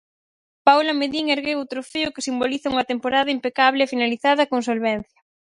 Paula Medín ergueu o trofeo que simboliza unha temporada impecable e finalizada con solvencia.